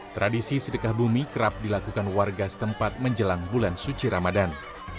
tradisi sedekah bumi kerap dilakukan warga setempat menjelang bulan suci ramadan